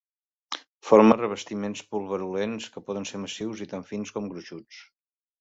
Forma revestiments pulverulents que poden ser massius i tant fins com gruixuts.